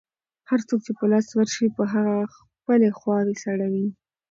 هر څوک چې په لاس ورشي، په هغه خپلې خواوې سړوي.